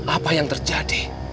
apa yang terjadi